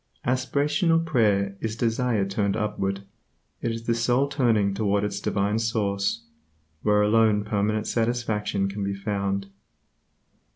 Aspiration or prayer is desire turned upward. It is the soul turning toward its Divine source, where alone permanent satisfaction can be found.